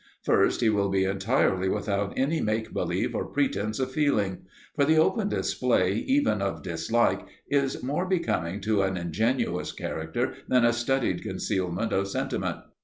First, he will be entirely without any make believe or pretence of feeling; for the open display even of dislike is more becoming to an ingenuous character than a studied concealment of sentiment.